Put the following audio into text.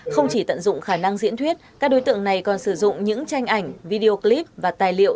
không chỉ tận dụng khả năng diễn thuyết các đối tượng này còn sử dụng những tranh ảnh video clip và tài liệu